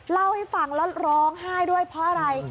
เล่าให้ฟังแล้วร้องไห้ด้วยเพราะอะไร